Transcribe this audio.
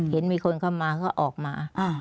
เห็นมีคนเข้ามาก็ออกมา